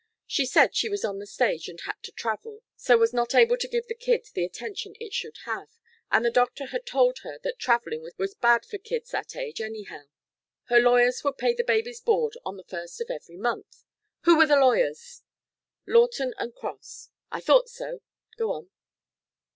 She said she was on the stage and had to travel, so was not able to give the kid the attention it should have, and the doctor had told her that traveling was bad for kids that age, anyhow. Her lawyers would pay the baby's board on the first of every month " "Who were the lawyers?" "Lawton and Cross." "I thought so. Go on."